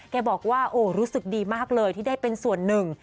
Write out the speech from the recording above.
แกบอกว่าโอ้รู้สึกดีมากเลยที่ได้เป็นส่วนหนึ่ง